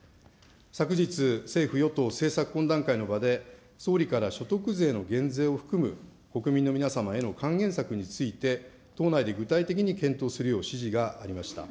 昨日、政府与党政策懇談会の場で、総理から所得税の減税を含む国民の皆さんへの還元策について、党内で具体的に検討するよう指示がありました。